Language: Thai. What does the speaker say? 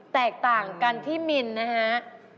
แตกต่างกันที่มิลลิเมตรนะครับ